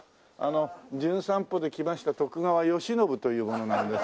『じゅん散歩』で来ました徳川慶喜という者なんですけど。